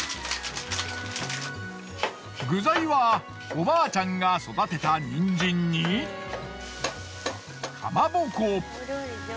具材はおばあちゃんが育てたにんじんにかまぼこ。